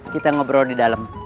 kita ngobrol di dalam